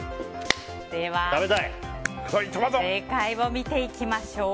では正解を見ていきましょう。